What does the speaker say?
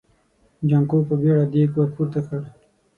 جانکو په بيړه دېګ ور پورته کړ.